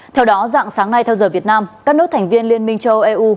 theo đó dạng sáng nay theo giờ việt nam các nước thành viên liên minh châu âu eu